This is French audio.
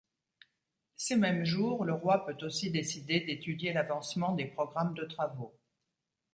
Ces mêmes jours, le roi peut aussi décider d’étudier l’avancement des programmes de travaux.